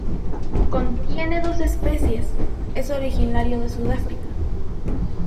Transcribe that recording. Contiene dos especies.Es originario de Sudáfrica.